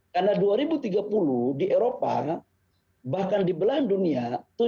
karena dua ribu tiga puluh di eropa bahkan di belahan dunia